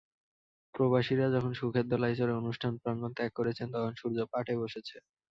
প্রবাসীরা যখন সুখের দোলায় চড়ে অনুষ্ঠান প্রাঙ্গণ ত্যাগ করছেন তখন সূর্য পাটে বসেছে।